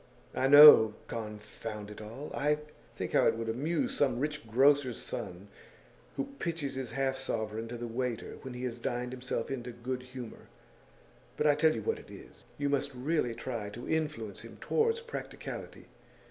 'I know, confound it all! Think how it would amuse some rich grocer's son who pitches his half sovereign to the waiter when he has dined himself into good humour! But I tell you what it is: you must really try to influence him towards practicality.